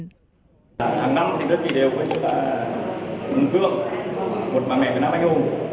hàng năm đơn vị đều có chức là quân dưỡng một bà mẹ với nam anh hùng